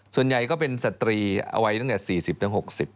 ส่วนใหญ่ก็เป็นสตรีเอาไว้ตั้งแต่๔๐๖๐